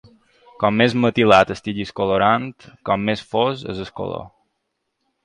Com més metilat estigui el colorant, com més fos és el color.